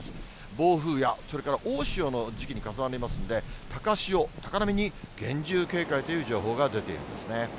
暴風や、それから大潮の時期に重なりますんで、高潮、高波に厳重警戒という情報が出ていますね。